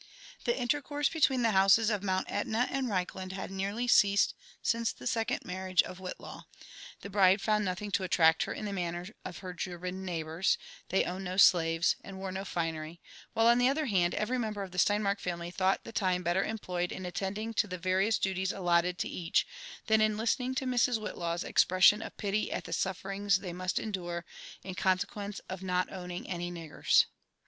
The intercourse between the houses^of Mount Etna.and Reichland bad nearly ceased since the second marriage of Whillaw. The bride found nothing to attract her in the manners of her German neighbours ; they owned no slaves, and wore no finery : while, on the other hand, every member of the Steinmark family thought the time better em ployed in attending to the various duties allotted to each, than in listening to Mrs. Whitlaw's expressions of pity at the sufferings they must endure in consequence of not " owning any niggers."